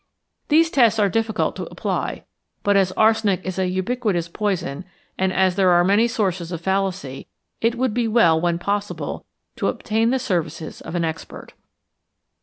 These tests are difficult to apply, but as arsenic is a ubiquitous poison, and as there are many sources of fallacy, it would be well, when possible, to obtain the services of an expert.